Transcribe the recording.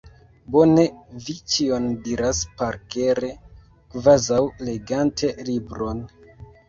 Bone vi ĉion diras parkere, kvazaŭ legante libron!